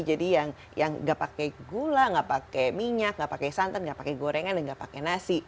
jadi yang nggak pakai gula nggak pakai minyak nggak pakai santan nggak pakai gorengan dan nggak pakai nasi